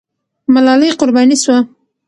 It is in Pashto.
ملالۍ قرباني سوه.